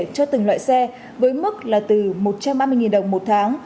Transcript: cho từng loại xe với mức là từ một trăm ba mươi đồng một tháng